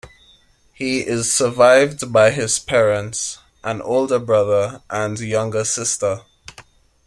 He is survived by his parents, an older brother, and younger sister.